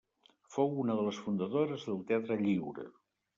Fou una de les fundadores del Teatre Lliure.